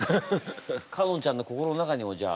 かのんちゃんの心の中にもじゃあ。